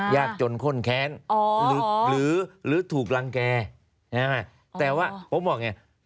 ยากจนข้นแค้นหรือถูกรังแก่ใช่ไหมแต่ว่าผมบอกไง